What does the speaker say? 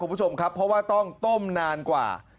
เพราะว่าต้องต้มนานกว่า